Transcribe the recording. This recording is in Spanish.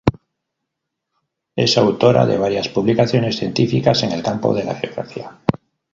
Es autora de varias publicaciones científicas en el campo de la Geografía.